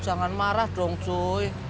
jangan marah dong cuy